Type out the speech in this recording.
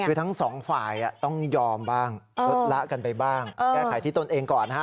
คือทั้งสองฝ่ายต้องยอมบ้างลดละกันไปบ้างแก้ไขที่ตนเองก่อนนะฮะ